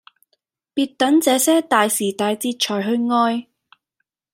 別等這些大時大節才去愛